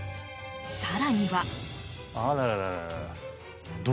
更には。